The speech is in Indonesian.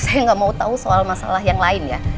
saya gak mau tau soal masalah yang lain ya